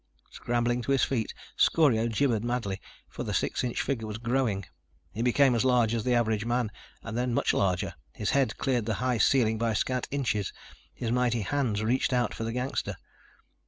Scrambling to his feet, Scorio gibbered madly, for the six inch figure was growing. He became as large as the average man, and then much larger. His head cleared the high ceiling by scant inches. His mighty hands reached out for the gangster.